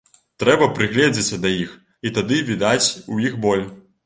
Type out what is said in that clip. Трэба прыгледзіцца да іх, і тады відаць у іх боль.